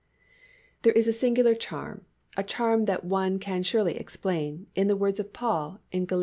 There is a singular charm, a charm that one can scarcely explain, in the words of Paul in Gal.